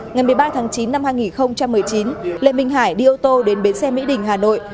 ngày một mươi ba tháng chín năm hai nghìn một mươi chín lê minh hải đi ô tô đến bến xe mỹ đình hà nội